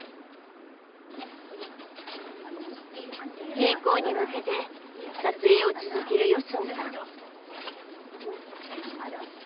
閉校に向けて撮影を続けるヨスンさん。